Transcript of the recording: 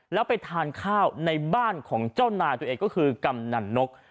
แล้วไปทานข้าวในบ้านของเจ้านายตัวเองก็คือกำนันนก